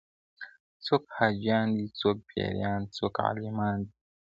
څوک حاجیان دي څوک پیران څوک عالمان دي,